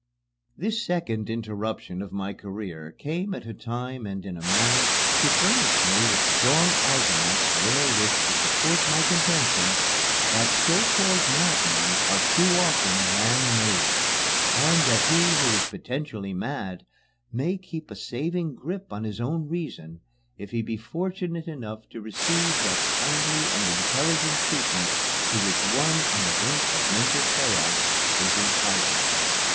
This second interruption of my career came at a time and in a manner to furnish me with strong arguments wherewith to support my contention that so called madmen are too often man made, and that he who is potentially mad may keep a saving grip on his own reason if he be fortunate enough to receive that kindly and intelligent treatment to which one on the brink of mental chaos is entitled.